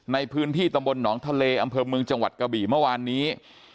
ในพื้นที่ตำบลหนองทะเลอำเภอเมืองจังหวัดกะบี่เมื่อวานนี้